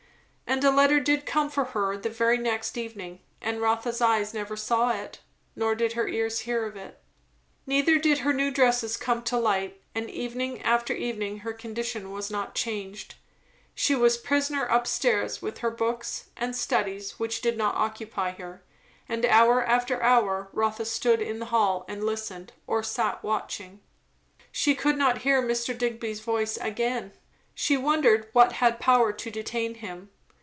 And a letter did come for her the very next evening; and Rotha's eyes never saw it, nor did her ears hear of it. Neither did her new dresses come to light; and evening after evening her condition was not changed. She was prisoner up stairs with her books and studies, which did not occupy her; and hour after hour Rotha stood in the hall and listened, or sat watching. She could not hear Mr. Digby's voice again. She wondered what had power to detain him.